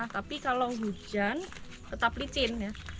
tapi kalau hujan tetap licin